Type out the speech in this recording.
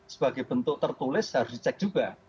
sebagai bentuk tertulis harus dicek juga